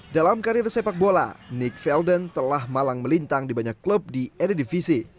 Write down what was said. dalam karir sepak bola nick velden telah malang melintang di banyak klub di era divisi